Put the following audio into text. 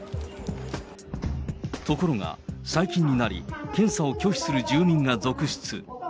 ところが、最近になり、検査を拒否する住民が続出。